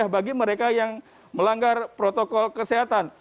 bagi mereka yang melanggar protokol kesehatan